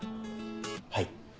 はい。